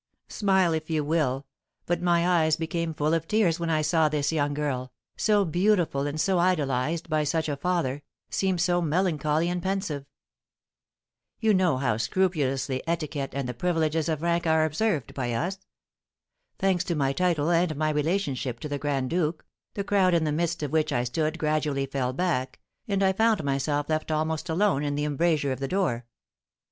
Smile if you will, but my eyes became full of tears when I saw this young girl, so beautiful and so idolised by such a father, seem so melancholy and pensive. You know how scrupulously etiquette and the privileges of rank are observed by us. Thanks to my title and my relationship to the grand duke, the crowd in the midst of which I stood gradually fell back, and I found myself left almost alone in the embrasure of the door.